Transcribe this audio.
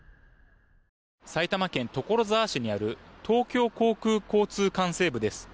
埼玉県所沢市にある東京航空管制部です。